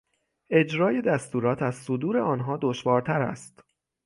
اجرای دستورات از صدور آنها دشوارتر است.